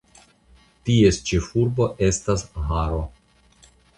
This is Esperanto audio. Ties ĉefurbo estas Haro.